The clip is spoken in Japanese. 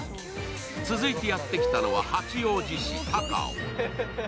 続いてやってきたのは八王子市高尾。